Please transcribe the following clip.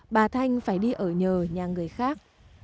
bà thanh phải đi ở nhờ nhà người khác